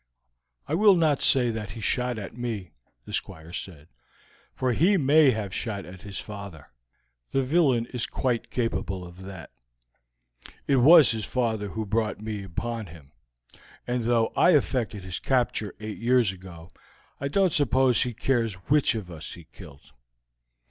"I will not say that he shot at me," the Squire said, "for he may have shot at his father; the villain is quite capable of that. It was his father who brought me upon him, and though I effected his capture eight years ago I don't suppose he cares which of us he killed.